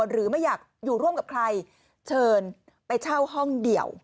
ไม่อยากอยู่ร่วมกับใครเชิญไปเช่าห้องเดียว